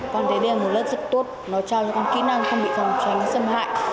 con thấy đây là một lớp rất tốt nó cho cho con kỹ năng không bị phòng tránh xâm hại